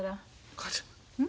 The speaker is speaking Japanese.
母ちゃん。